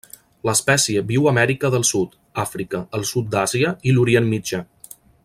L'espècie viu a Amèrica del Sud, Àfrica, el sud d'Àsia i l'Orient Mitjà.